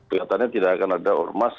kelihatannya tidak akan ada ormas